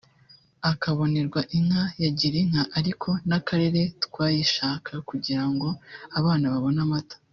akabonerwa inka ya Girinka ariko n’akarere twayishaka kugira ngo abana babone amata